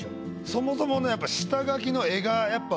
そもそものやっぱ。